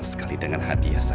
gue sekali sangat cement